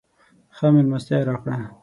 ښه مېلمستیا راکړه.